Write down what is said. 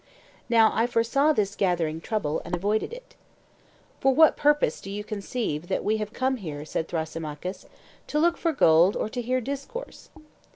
Now I foresaw this gathering trouble, and avoided it. For what purpose do you conceive that we have come here, said Thrasymachus,—to look for gold, or to hear discourse?